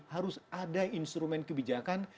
harus ada instrumen kebijakan